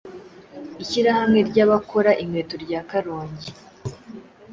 ishyirahamwe ry’abakora inkweto rya Karongi